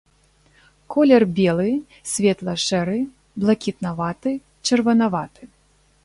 Колер белы, светла-шэры, блакітнаваты, чырванаваты.